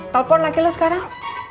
telepon lagi lu sekarang